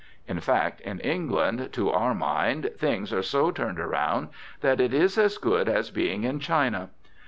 In fact, in England, to our mind, things are so turned around that it is as good as being in China.